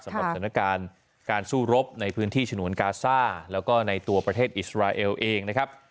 สถานการณ์การสู้รบในพื้นที่ฉนวนกาซ่าแล้วก็ในตัวประเทศอิสราเอลเองนะครับ